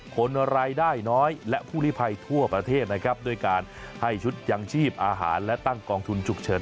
คนรายได้น้อยและผู้ลิภัยทั่วประเทศนะครับด้วยการให้ชุดยังชีพอาหารและตั้งกองทุนฉุกเฉิน